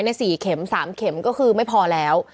ใน๔เข็ม๓เข็มก็คือไม่พอแล้ว